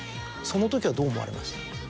そのときはどう思われました？